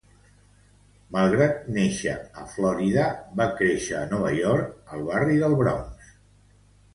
Malgrat néixer a Florida, va créixer a Nova York, al barri del Bronx.